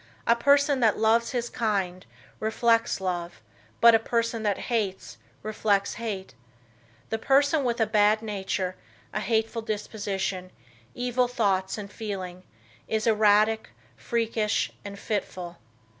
A person that loves his kind reflects love, but a person that hates reflects hate. The person with a bad nature, a hateful disposition, evil thoughts and feeling is erratic, freakish and fitful.